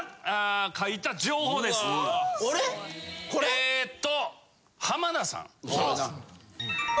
えっと。